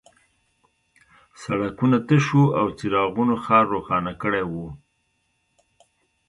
سړکونه تش وو او څراغونو ښار روښانه کړی و